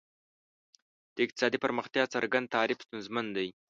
د اقتصادي پرمختیا څرګند تعریف ستونزمن دی.